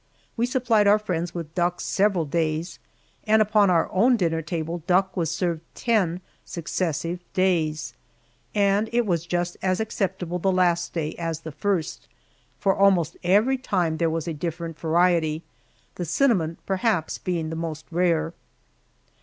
We supplied our friends with ducks several days, and upon our own dinner table duck was served ten successive days. And it was just as acceptable the last day as the first, for almost every time there was a different variety, the cinnamon, perhaps, being the most rare.